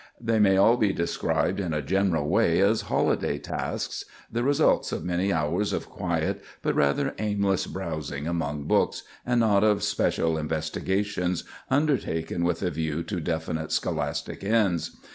They may all be described in a general way as holiday tasks—the results of many hours of quiet but rather aimless browsing among books, and not of special investigations, undertaken with a view to definite scholastic ends.